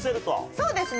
そうですね。